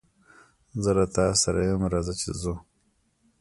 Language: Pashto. زه له تاسره ېم رازه چې ځو